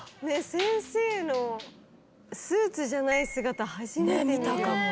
「先生のスーツじゃない姿初めて見たかも」